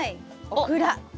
オクラ！